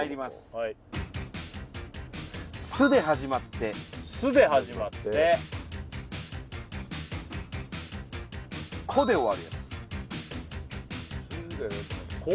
はい「す」で始まって「す」で始まって「こ」で終わるやつ「す」で「こ」？